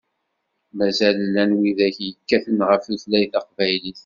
Mazal llan widak i yekkaten ɣef tutlayt taqbaylit.